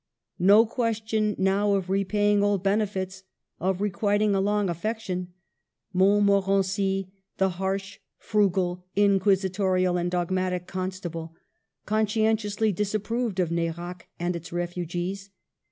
No question now of repay ing old benefits, of requiting a long affection. Montmorency — the harsh, frugal, inquisitorial, and dogmatic Constable — conscientiously dis approved of Nerac and its refugees.